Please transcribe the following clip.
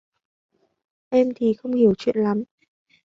Em thì không hiểu chuyện lắm